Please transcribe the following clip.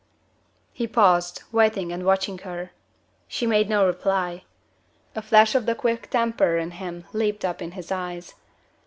He paused; waiting and watching her. She made no reply. A flash of the quick temper in him leaped up in his eyes.